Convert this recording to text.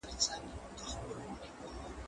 زه پرون کتابتوننۍ سره وم!.